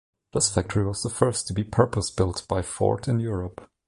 This factory was the first to be purpose built by Ford in Europe.